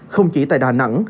không chỉ tại đà nẵng